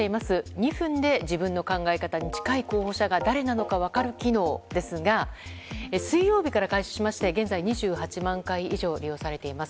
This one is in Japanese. ２分で自分の考え方に近い候補者が誰なのか分かる機能ですが水曜日から開始しまして現在２８万回以上利用されています。